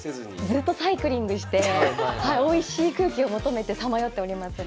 ずっとサイクリングしておいしい空気を求めてさまよっております。